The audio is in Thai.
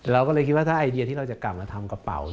เราก็เลยคิดว่าถ้าไอเดียที่เราจะกลับมาทำกระเป๋า